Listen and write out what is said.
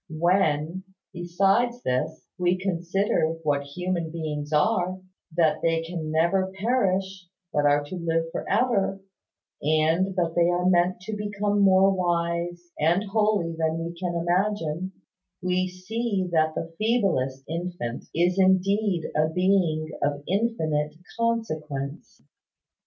When, besides this, we consider what human beings are, that they can never perish, but are to live for ever, and that they are meant to become more wise and holy than we can imagine, we see that the feeblest infant is indeed a being of infinite consequence.